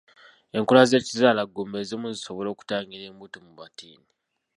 Enkola z'ekizaala ggumba ezimu zisobola okutangira embuto mu battiini.